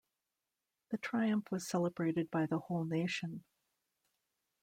The triumph was celebrated by the whole nation.